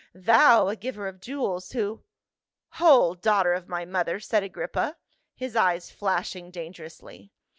Thou a giver of jewels, who —"" Hold, daughter of my mother!" said Agrippa, his eyes flashing dangerously.